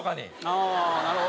ああなるほど。